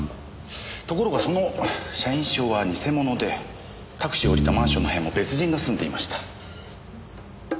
ところがその社員証は偽物でタクシーを降りたマンションの部屋も別人が住んでいました。